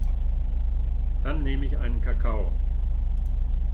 Dann nehm ich einen Kakao.